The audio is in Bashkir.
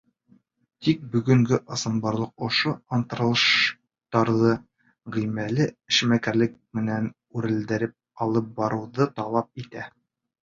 Тик бөгөнгө ысынбарлыҡ ошо ынтылыштарҙы ғәмәли эшмәкәрлек менән үрелдереп алып барыуҙы талап итә.